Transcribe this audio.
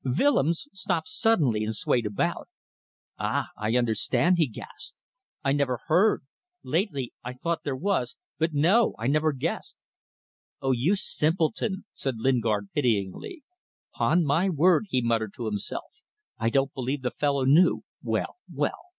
Willems stopped suddenly and swayed about. "Ah! I understand," he gasped. "I never heard ... Lately I thought there was ... But no, I never guessed." "Oh, you simpleton!" said Lingard, pityingly. "'Pon my word," he muttered to himself, "I don't believe the fellow knew. Well! well!